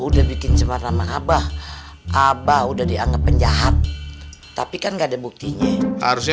udah bikin cemerlang abah abah udah dianggap penjahat tapi kan enggak ada buktinya harusnya